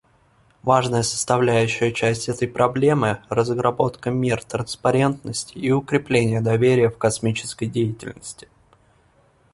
Важная составляющая часть этой проблемы — разработка мер транспарентности и укрепление доверия в космической деятельности.